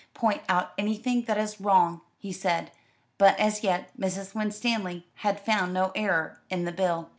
"Point out anything that is wrong," he said; but as yet Mrs. Winstanley had found no error in the bill.